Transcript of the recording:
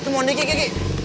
mohon dikit kakak